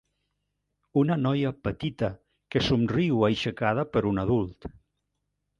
Una noia petita que somriu aixecada per un adult.